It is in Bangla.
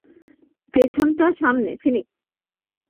পেছনটা সামলে, ফিনিক্স।